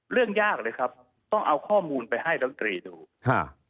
เรื่องยากเลยครับต้องเอาข้อมูลไปให้รัฐมนตรีดูค่ะ